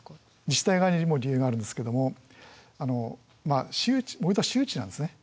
自治体側にも理由があるんですけども盛り土は私有地なんですね。